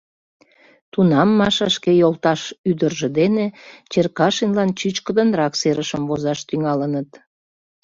Тунам Маша шке йолташ ӱдыржӧ дене Черкашинлан чӱчкыдынрак серышым возаш тӱҥалыныт.